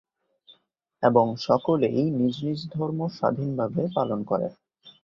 এবং সকলেই নিজ নিজ ধর্ম স্বাধীন ভাবে পালনকরে।